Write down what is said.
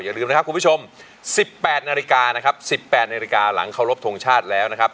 อย่าลืมนะครับคุณผู้ชม๑๘นาฬิกาหลังเคารพโทงชาติแล้วนะครับ